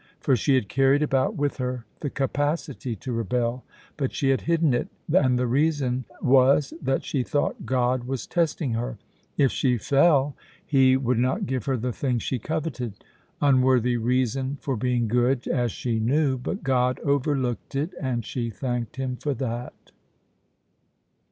For she had carried about with her the capacity to rebel, but she had hidden it, and the reason was that she thought God was testing her. If she fell He would not give her the thing she coveted. Unworthy reason for being good, as she knew, but God overlooked it, and she thanked Him for that.